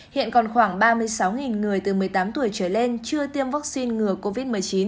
hiện còn khoảng ba mươi sáu người từ một mươi tám tuổi trở lên chưa tiêm vaccine ngừa covid một mươi chín